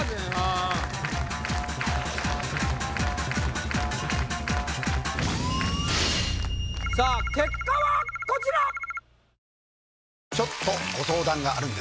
前半さあ結果はこちら！